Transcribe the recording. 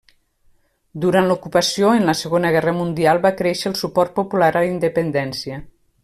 Durant l'ocupació en la Segona Guerra Mundial, va créixer el suport popular a la independència.